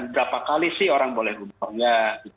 berapa kali sih orang boleh rumornya